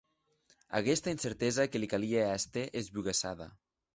Aguesta incertesa que li calie èster esbugassada.